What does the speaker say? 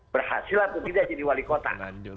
berhasil atau tidak jadi wali kota